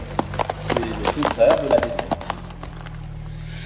C'est le contraire de la défaite.